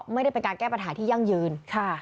ไม่ได้เป็นการแก้ปัญหาที่ยั่งยืนค่ะ